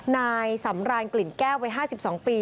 นายสำรานกลิ่นแก้ววัย๕๒ปี